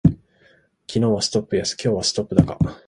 昨日はストップ安、今日はストップ高